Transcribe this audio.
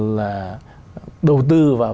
là đầu tư vào